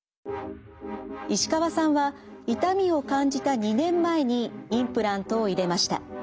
石川さんは痛みを感じた２年前にインプラントを入れました。